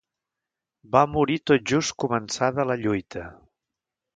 Va morir tot just començada la lluita.